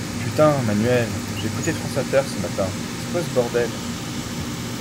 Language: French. Putain, Manuel, j’ai écouté France Inter ce matin, c’est quoi ce bordel?